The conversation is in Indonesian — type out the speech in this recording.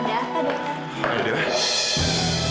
ada apa dokter